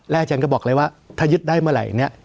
อาจารย์ก็บอกเลยว่าถ้ายึดได้เมื่อไหร่เนี่ย